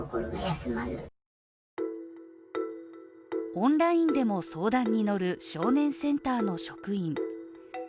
オンラインでも相談に乗る少年センターの職員。